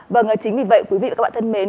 vâng chính vì vậy quý vị và các bạn thân mến